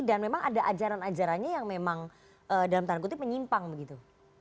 dan memang ada ajaran ajarannya yang memang dalam tanggung jawab menyimpan begitu